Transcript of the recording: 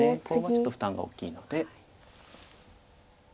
コウはちょっと負担が大きいので。